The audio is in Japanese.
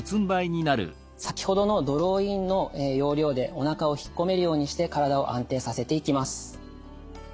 先ほどのドローインの要領でおなかをひっこめるようにして体を安定させていきます。